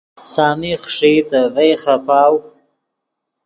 سامی خݰئیتے ڤئے خیپاؤ